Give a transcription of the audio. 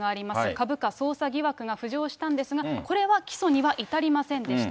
株価操作疑惑が浮上したんですが、これは起訴には至りませんでした。